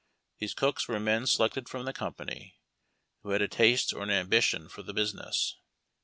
These cooks were men selected from the company, who had a taste or an ambition for the business.